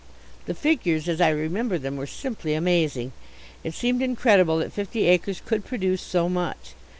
The figures, as I remember them, were simply amazing. It seemed incredible that fifty acres could produce so much.